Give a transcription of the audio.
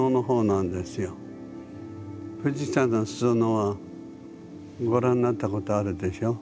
富士山のすそ野はご覧なったことあるでしょう？